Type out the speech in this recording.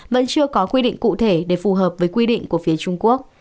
vẫn chưa có quy định cụ thể để phù hợp với quy định của phía trung quốc